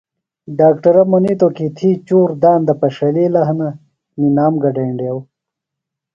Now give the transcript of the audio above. ڈاکٹرہ منِیتوۡ کیۡ تھی چُور داندہ پڇھَلِیلہ ہِنہ نِنام گڈینڈیوۡ۔